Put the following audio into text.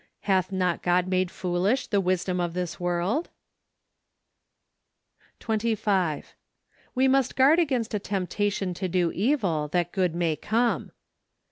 " Hath not God made foolish the wisdom of this world ?" 25. We must guard against a temptation to do evil, that good may come.